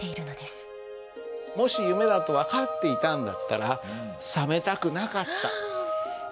もし夢だと分かっていたんだったら覚めたくなかった。